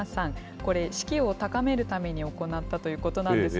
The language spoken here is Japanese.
これ、士気を高めるために行ったということなんですが。